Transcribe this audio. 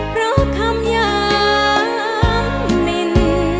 เพราะคำยามนิน